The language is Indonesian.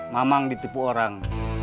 mamang ditipu orang